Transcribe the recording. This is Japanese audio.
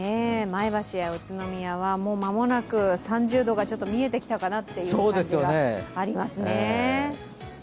前橋や宇都宮は、間もなく３０度が見えてきたかなという感じがありますね。